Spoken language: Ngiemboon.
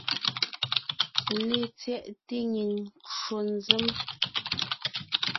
LetsyɛꞋte nyìŋ ncwò nzěm.